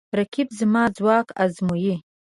رقیب زما ځواک ازموي